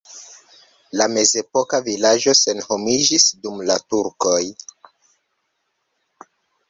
La mezepoka vilaĝo senhomiĝis dum la turkoj.